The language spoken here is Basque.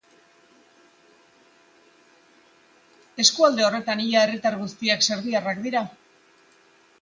Eskualde horretan, herritar ia guztiak serbiarrak dira.